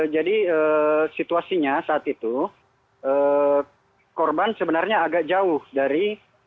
jadi situasinya saat itu korban sebenarnya agak jauh dari